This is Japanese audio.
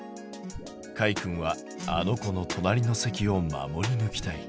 かいくんはあの子の隣の席を守りぬきたい。